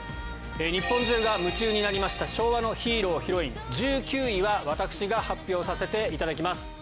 日本中が夢中になりました昭和のヒーロー＆ヒロイン１９位は私が発表させて頂きます。